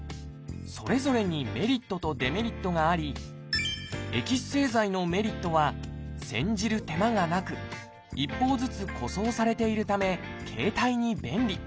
それぞれにメリットとデメリットがありエキス製剤のメリットは煎じる手間がなく１包ずつ個装されているため携帯に便利。